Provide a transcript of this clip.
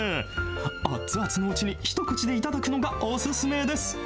熱々のうちに一口で頂くのがお勧めです。